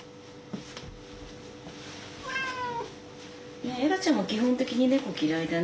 ねっエラちゃんも基本的に猫嫌いだね